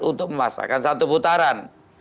untuk memasakkan satu putaran